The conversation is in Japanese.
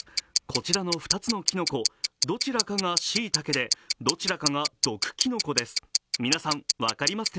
こちらの２つのきのこ、どちらかがしいたけで、どちらかが毒きのこです。